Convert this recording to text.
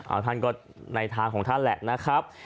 เอาท่านก็ในทางของท่านแหละนะครับ